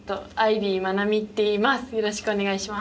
よろしくお願いします。